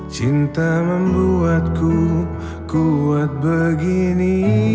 cinta membuatku kuat begini